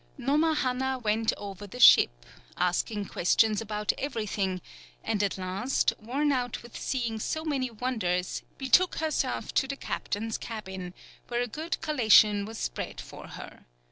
Nomahanna went over the ship, asking questions about everything, and at last, worn out with seeing so many wonders, betook herself to the captain's cabin, where a good collation was spread for her.